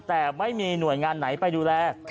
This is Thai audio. แต่ไม่มีหน่วยงานไหนไปดูแล